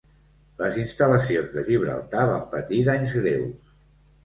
Les instal·lacions de Gibraltar van patir danys greus.